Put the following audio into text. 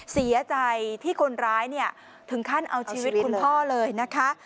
เสียใจที่คนร้ายถึงขั้นเอาชีวิตคุณพ่อเลยนะคะ